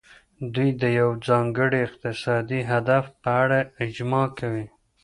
دوی د یو ځانګړي اقتصادي هدف په اړه اجماع کوي